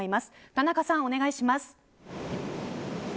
田中さん、お願いします。